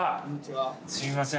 「すみません。